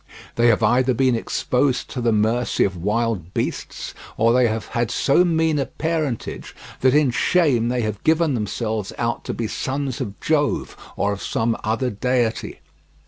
They have either been exposed to the mercy of wild beasts, or they have had so mean a parentage that in shame they have given themselves out to be sons of Jove or of some other deity.